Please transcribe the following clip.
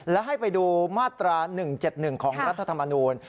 และให้ไปดูมาตรา๑๗๑ของรัฐธรรมนูล